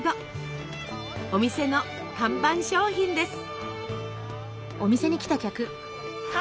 お店の看板商品です。